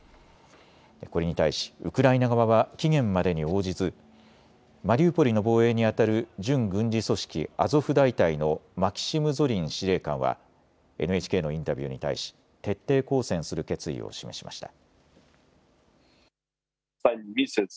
これに対しウクライナ側は期限までに応じずマリウポリの防衛にあたる準軍事組織、アゾフ大隊のマキシム・ゾリン司令官はＮＨＫのインタビューに対し徹底抗戦する決意を示しました。